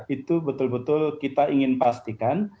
itu betul betul kita ingin pastikan